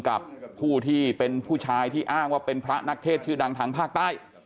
กับผู้ที่เป็นผู้ชายที่อ้างว่าเป็นพระนักเทศชื่อดังทางภาคใต้